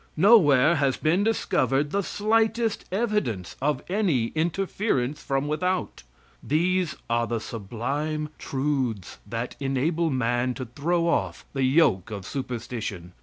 Nowhere has been discovered the slightest evidence of any interference from without. These are the sublime truths that enable man to throw off the yoke of superstition.